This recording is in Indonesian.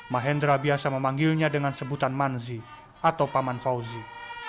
mahendra biasa memanggilnya dengan sebutan manzi atau paman fauzi